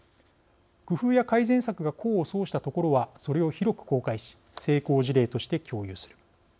工夫や改善策が功を奏したところはそれを広く公開し成功事例として共有する。